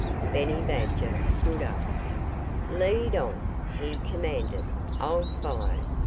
Benny Badger stood up. "Lead on!" he commanded. "I'll follow."